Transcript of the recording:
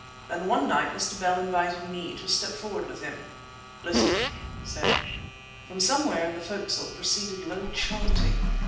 Then, one night, Mr. Bell invited me to step forward with him. "Listen," he said. From somewhere in the fo'c'sle proceeded low chanting.